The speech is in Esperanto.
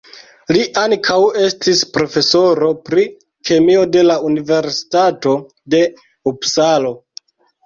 Li ankaŭ estis profesoro pri kemio de la universitato de Upsalo.